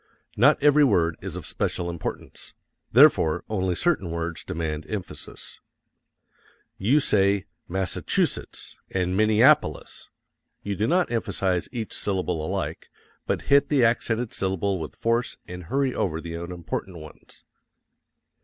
Not every word is of special importance therefore only certain words demand emphasis. You say Massa_CHU_setts and Minne_AP_olis, you do not emphasize each syllable alike, but hit the accented syllable with force and hurry over the unimportant ones.